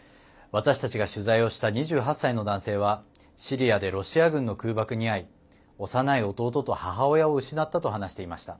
私たちが取材をした２８歳の男性はシリアでロシア軍の空爆に遭い幼い弟と母親を失ったと話していました。